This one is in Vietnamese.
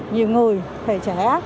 nhiều người thì sẽ